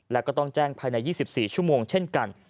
และก็ต้องแจ้งภายใน๒๔ชั่วโมงเช่นกัน